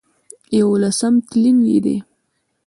يوولسم تلين يې دی